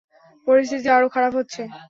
পরিস্থিতি আরো খারাপ হচ্ছে।